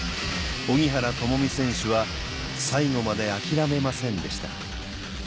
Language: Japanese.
荻原友美選手は最後まで諦めませんでした